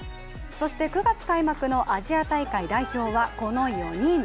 そして９月開幕のアジア大会代表はこの４人。